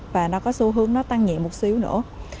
và nó có xu hướng nó tăng nhẹ một xíu nữa